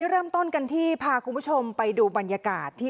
เริ่มต้นกันที่พาคุณผู้ชมไปดูบรรยากาศที่